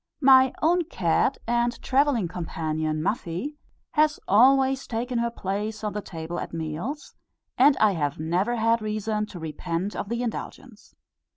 My own cat and travelling companion Muffie, has always taken her place on the table at meals, and I have never had reason to repent of the indulgence.